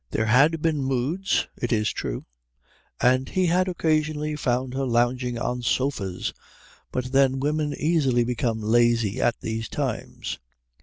There had been moods, it is true, and he had occasionally found her lounging on sofas, but then women easily become lazy at these times.